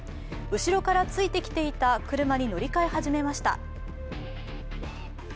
後ろからついてきていた車に乗り換え始めました。